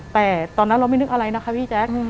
แต่ตอนนั้นเราไม่นึกอะไรนะคะพี่แจ๊ค